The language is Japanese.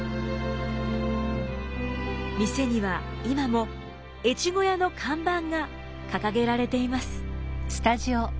店には今も越後屋の看板が掲げられています。